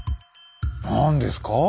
何ですか？